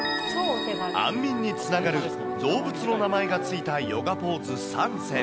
安眠につながる動物の名前が付いたヨガポーズ３選。